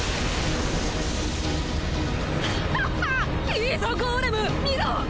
いいぞゴーレム見ろ！